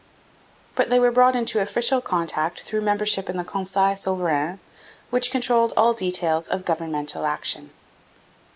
But they were brought into official contact through membership in the Conseil Souverain, which controlled all details of governmental action.